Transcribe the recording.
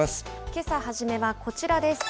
けさ初めはこちらです。